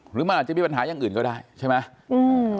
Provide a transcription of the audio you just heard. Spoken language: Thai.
หรือมันอาจจะมีปัญหาอย่างอื่นก็ได้ใช่ไหม